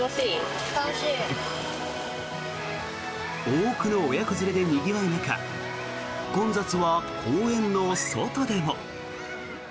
多くの親子連れでにぎわう中混雑は公園の外でも。